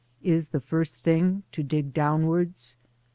— is the first thing : to dig downwards.